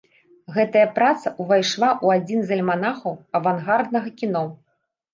Гэтая праца ўвайшла ў адзін з альманахаў авангарднага кіно.